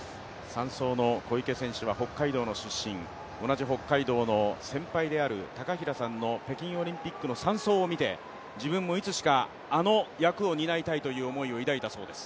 ３走の小池選手は北海道の出身、同じ北海道の先輩である高平さんの、北京オリンピックの３走を見て自分もいつしかあの役を担いたいと思ったそうです。